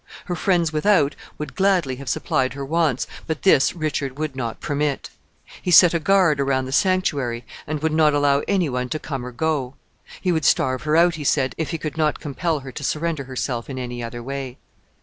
Her friends without would gladly have supplied her wants, but this Richard would not permit. He set a guard around the sanctuary, and would not allow any one to come or go. He would starve her out, he said, if he could not compel her to surrender herself in any other way.